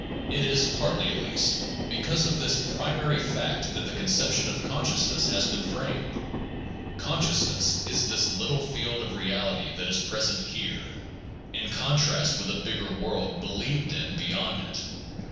It is, partly at least, because of this primary fact that the conception of consciousness has been framed. Consciousness is this little field of reality that is present here, in 2 Ibid., p. 398. 368 THE JOURNAL OF PHILOSOPHY contrast with a bigger world believed in beyond it.